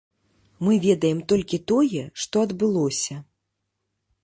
Мы ведаем толькі тое, што адбылося.